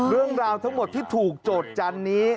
เรื่องราวทั้งหมดที่ถูกโจทย์จันนี้